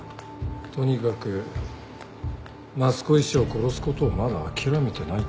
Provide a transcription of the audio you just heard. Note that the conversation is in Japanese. とにかく益子医師を殺すことをまだ諦めてないってことだ。